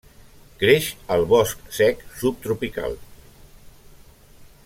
Creix al bosc sec subtropical.